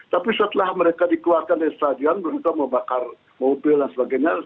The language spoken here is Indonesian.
tapi setelah mereka dikeluarkan dari stadion mereka membakar mobil dan sebagainya